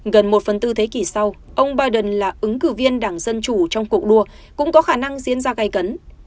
gần một phần tư thế kỷ sau ông biden là ứng cử viên đảng dân chủ trong cuộc đua cũng có khả năng diễn ra gây cấn